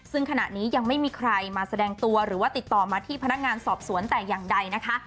ซึ่งขณะนี้ยังไม่มีใครมาแสดงตัวหรือว่าติดต่อมาที่พนักงานสอบสวนแต่อย่างใดนะคะ